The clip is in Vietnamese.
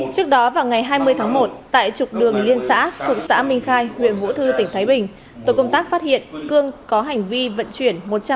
trước đó vào ngày hai mươi tháng một tại trục đường liên xã thuộc xã minh khai huyện vũ thư tỉnh thái bình tội công tác phát hiện cương có hành vi vận chuyển